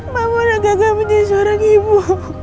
mama udah gagal menjadi seorang ibu